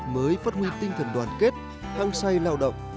mới phát huy tinh thần đoàn kết hăng say lao động